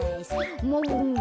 もぐもぐ。